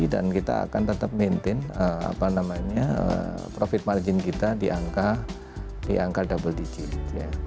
dan kita akan tetap maintain profit margin kita di angka double digit